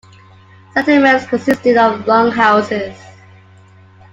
Settlements consisted of longhouses.